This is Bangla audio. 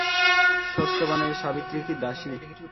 সত্যবানের সাবিত্রী কি দাসী?